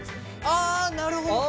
あなるほど！